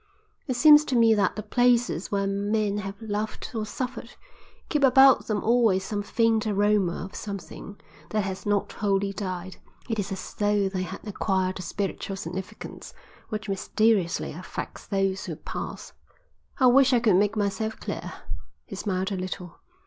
It seems to me that the places where men have loved or suffered keep about them always some faint aroma of something that has not wholly died. It is as though they had acquired a spiritual significance which mysteriously affects those who pass. I wish I could make myself clear." He smiled a little.